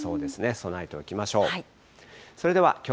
備えておきましょう。